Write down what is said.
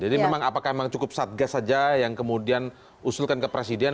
jadi memang apakah cukup satgas saja yang kemudian usulkan ke presiden